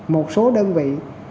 một số đơn vị